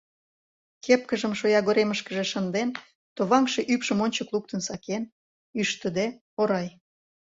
Кепкыжым шоягоремышкыже шынден, товаҥше ӱпшым ончык луктын сакен, ӱштыде, орай.